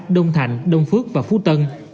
đông thành đông phước và phú tân